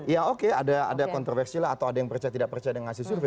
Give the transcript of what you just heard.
ya oke ada kontroversi lah atau ada yang percaya tidak percaya dengan hasil survei